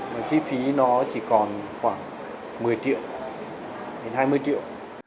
mà chi phí nó chỉ còn khoảng một mươi triệu đến hai mươi triệu